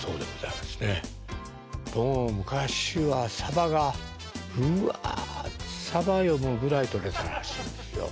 もう昔はサバがうわっサバ読むぐらいとれてたらしいんですよ。